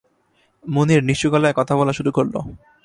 মুনির নিচু গলায় কথা বলা শুরু করল।